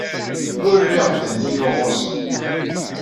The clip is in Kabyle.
Ur rriɣ ddeh-inu ɣer-sen.